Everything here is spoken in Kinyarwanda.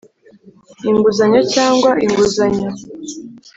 inguzanyo cyangwa inguzanyo